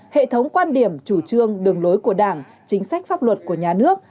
hệ thống quan điểm chủ trương đường lối của đảng chính sách pháp luật của nhà nước